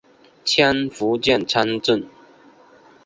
迁福建参政。